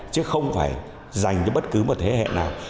chứ không phải dành cho bất cứ một thế hệ nào